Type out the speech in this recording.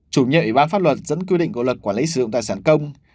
chủ nhiệm ủy ban pháp luật dẫn quy định của luật quản lý sử dụng tài sản công